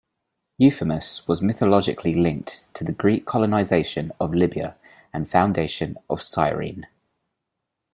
Euphemus was mythologically linked to the Greek colonization of Libya and foundation of Cyrene.